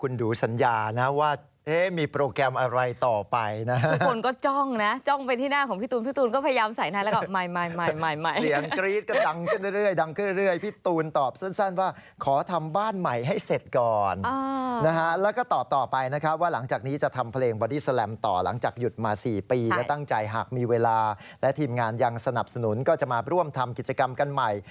และถ้าคุณผู้ชมยังสนับสนุนก็จะมาร่วมทำกิจกรรมกันใหม่